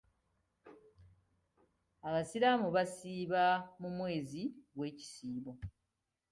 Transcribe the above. Abasiraamu basiiba mu mwezi gw'ekisiibo.